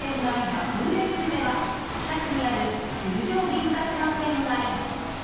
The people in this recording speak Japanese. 爆売れグルメは北区にある十条銀座商店街。